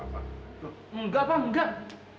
enggak pak enggak